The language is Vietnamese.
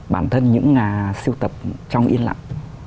bản thân những siêu tập trong yên lặng